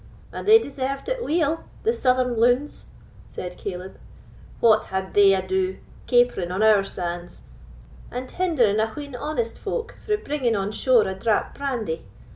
"And they deserved it weel, the southern loons!" said Caleb; "what had they ado capering on our sands, and hindering a wheen honest folk frae bringing on shore a drap brandy?